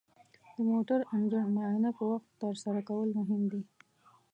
د موټر انجن معاینه په وخت ترسره کول مهم دي.